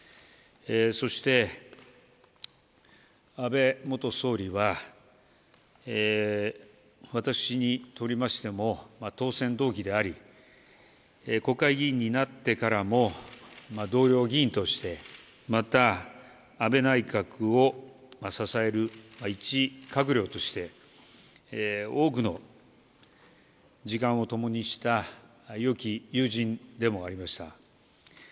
そして、安倍元総理は、私にとりましても、当選同期であり、国会議員になってからも、同僚議員として、また安倍内閣を支える一閣僚として、多くの時間を共にした、よき友人でもありました。